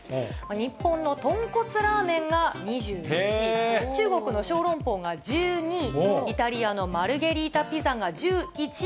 日本の豚骨ラーメンが２１位、中国の小籠包が１２位、イタリアのマルゲリータピザが１１位。